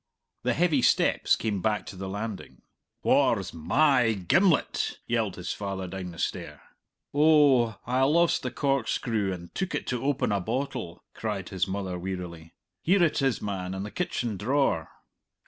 The heavy steps came back to the landing. "Whaur's my gimlet?" yelled his father down the stair. "Oh, I lost the corkscrew, and took it to open a bottle," cried his mother wearily. "Here it is, man, in the kitchen drawer."